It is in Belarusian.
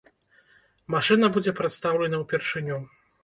Машына будзе прадстаўлена ўпершыню.